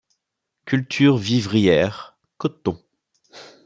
Cultures vivrières, coton.